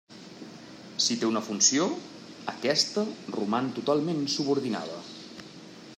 Si té una funció, aquesta roman totalment subordinada.